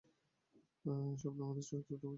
স্বপ্নে, আমাদের ছয়টা বাচ্চা ছিল।